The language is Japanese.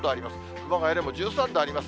熊谷でも１３度あります。